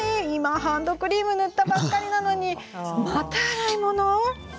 ハンドクリーム塗ったばっかりなのにまた洗い物。